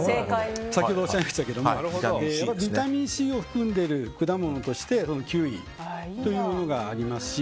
先ほどおっしゃいましたがビタミンＣを含んでいる果物としてキウイというのがありますし。